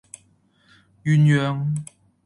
鴛鴦